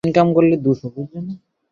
এটা খুবই সিরিয়াস।